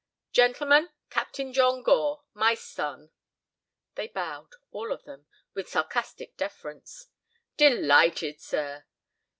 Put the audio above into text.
"Gentlemen, Captain John Gore, my son." They bowed, all of them, with sarcastic deference. "Delighted, sir."